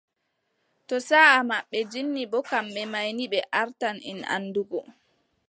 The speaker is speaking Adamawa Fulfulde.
Too saaʼa maɓɓe jinni boo, kamɓe may ni ɓe artan en anndungo.